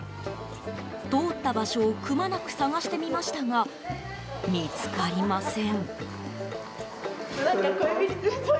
通った場所をくまなく探してみましたが見つかりません。